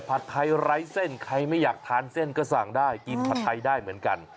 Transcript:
ผัดไทยไร้เส้นใครไม่อยากทานเส้นก็สั่งได้กินผัดไทยได้เหมือนกัน